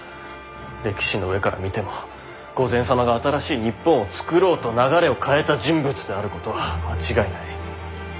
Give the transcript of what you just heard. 歴史の上から見ても御前様が新しい日本を作ろうと流れを変えた人物であることは間違いない。